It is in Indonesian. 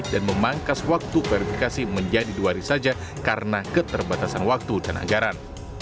dan memangkas waktu verifikasi menjadi dua hari saja karena keterbatasan waktu dan anggaran